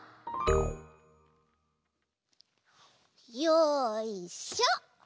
よいしょ！